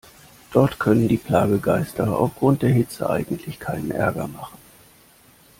Dort können die Plagegeister aufgrund der Hitze eigentlich keinen Ärger machen.